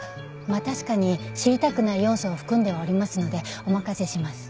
まあ確かに知りたくない要素を含んではおりますのでお任せします。